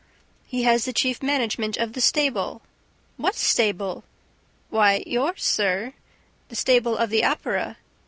"He has the chief management of the stable." "What stable?" "Why, yours, sir, the stable of the Opera."